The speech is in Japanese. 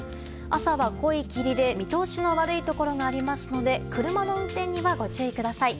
朝は濃い霧で、見通しの悪いところがありますので車の運転にはご注意ください。